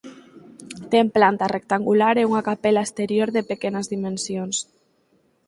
Ten planta rectangular e unha capela exterior de pequenas dimensións.